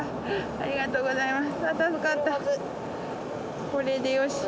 ありがとうございます。